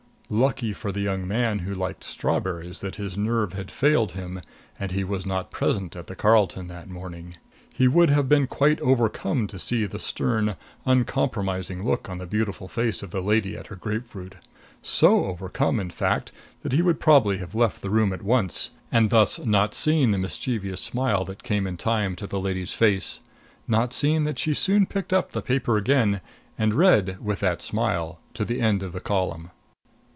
Lucky for the young man who liked strawberries that his nerve had failed him and he was not present at the Carlton that morning! He would have been quite overcome to see the stern uncompromising look on the beautiful face of a lady at her grapefruit. So overcome, in fact, that he would probably have left the room at once, and thus not seen the mischievous smile that came in time to the lady's face not seen that she soon picked up the paper again and read, with that smile, to the end of the column.